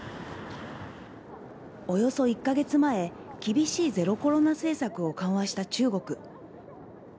およそ１か月前、厳しいゼロコロナ政策を緩和した中国。